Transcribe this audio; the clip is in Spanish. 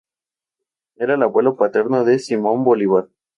Era el abuelo paterno de Simón Bolívar.